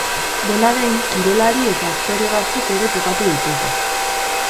Dena den, kirolari eta aktore batzuk ere topatu ditugu.